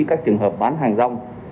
các trường hợp bán hàng rong